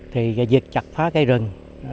thì việc chặt phá cây rừng